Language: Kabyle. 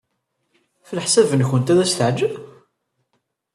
Ɣef leḥsab-nwent, ad as-teɛjeb?